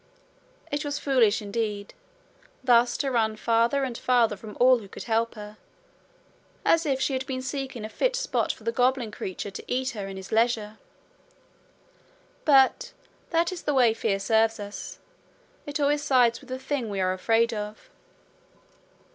It was foolish indeed thus to run farther and farther from all who could help her, as if she had been seeking a fit spot for the goblin creature to eat her in his leisure; but that is the way fear serves us: it always sides with the thing we are afraid of.